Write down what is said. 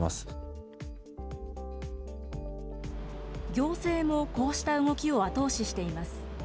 行政もこうした動きを後押ししています。